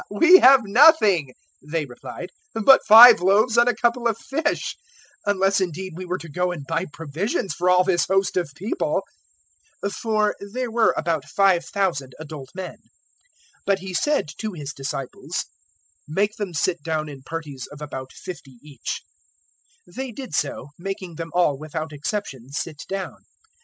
"We have nothing," they replied, "but five loaves and a couple of fish, unless indeed we were to go and buy provisions for all this host of people." 009:014 (For there were about 5,000 adult men.) But He said to His disciples, "Make them sit down in parties of about fifty each." 009:015 They did so, making them all, without exception, sit down.